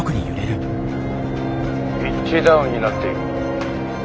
ピッチダウンになっている。